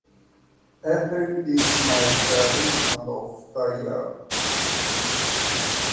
April is my favorite month of the year.